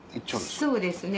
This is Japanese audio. そうですね。